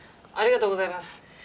ありがとうございます。